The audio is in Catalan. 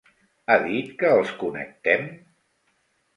Ha dit que els connectem?